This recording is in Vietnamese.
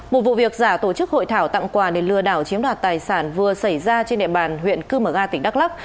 một vụ việc giả tổ chức hội thảo tặng quà để lừa đảo chiếm đoạt tài sản vừa xảy ra trên địa bàn huyện cư mờ ga tỉnh đắk lắc